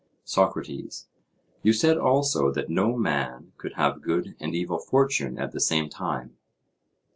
SOCRATES: You said also, that no man could have good and evil fortune at the same time?